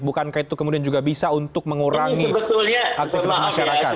bukankah itu kemudian juga bisa untuk mengurangi aktivitas masyarakat